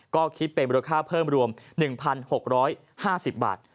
ก็คิดเป็นมูลค่าเพิ่มรวม๑๖๕๐บาท